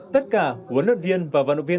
tất cả huấn luyện viên và vận động viên